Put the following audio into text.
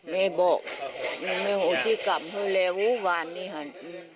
ไหนบอกมึงโหยิ่งกลับเผื่อเล่งศูนย์ของนาย